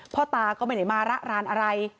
พ่อตาก็ไม่ได้มาระรานอะไร